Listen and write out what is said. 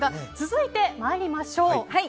続いてまいりましょう。